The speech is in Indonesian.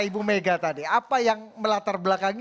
ibu mega tadi apa yang melatar belakangi